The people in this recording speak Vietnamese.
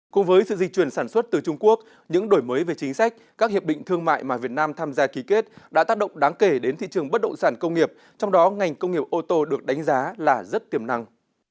cùng với sự di chuyển sản xuất từ trung quốc những đổi mới về chính sách các hiệp định thương mại mà việt nam tham gia ký kết đã tác động đáng kể đến thị trường bất động sản công nghiệp trong đó ngành công nghiệp ô tô được đánh giá là rất tiềm năng